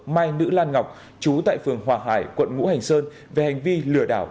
mai nữ lan ngọc chú tại phường hòa hải quận ngũ hành sơn về hành vi lừa đảo